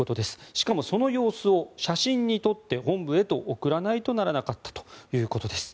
しかもその様子を写真に撮って本部へ送らないとならなかったということです。